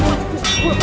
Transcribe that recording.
namanya kamu harus tahan